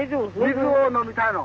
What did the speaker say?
水飲みたいの。